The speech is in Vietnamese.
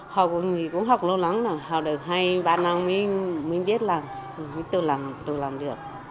học cũng học lâu lắm học được hai ba năm mới biết là tôi làm được